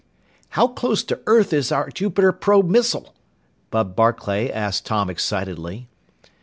"How close to earth is our Jupiter probe missile?" Bud Barclay asked Tom excitedly.